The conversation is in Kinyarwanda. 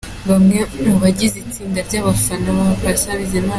Bamwe mu bagize itsinda ry'abafana ba Patient Bizimana.